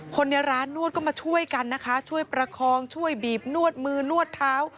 คนในร้านนวดก็มาช่วยกันนะคะช่วยประคองช่วยบีบนวดมือนวดเท้า